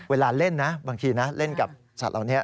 เวลาเล่นนะบางทีนะเล่นกับสัตว์เหล่านี้